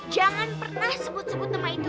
jangan pernah sebut sebut nama itu